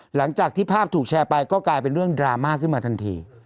หลังจากที่ภาพถูกแชร์ไปก็กลายเป็นเรื่องดราม่าขึ้นมาทันที